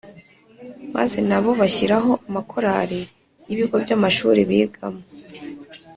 maze nabo bashyiraho amakorali y'ibigo by'amashuri bigamo.